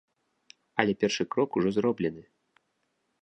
Але першы крок ужо зроблены.